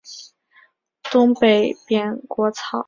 东北扁果草为毛茛科扁果草属下的一个种。